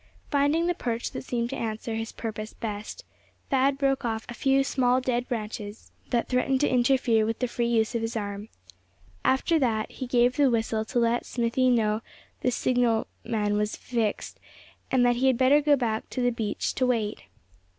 Finding the perch that seemed to answer his purpose best, Thad broke off a few small dead branches that threatened to interfere with the free use of his arm. After that he gave the whistle to let Smithy know the signalman was fixed, and that he had better go back to the beach to wait.